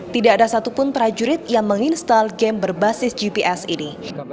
tidak ada satupun prajurit yang menginstal game berbasis gps ini